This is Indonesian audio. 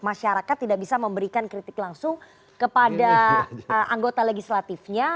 masyarakat tidak bisa memberikan kritik langsung kepada anggota legislatifnya